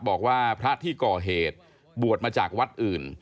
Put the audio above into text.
บอกว่าพระที่ก่อเหตุบวชมาจากวัดอื่น